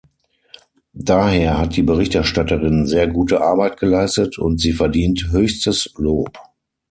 Daher hat die Berichterstatterin sehr gute Arbeit geleistet, und sie verdient höchstes Lob.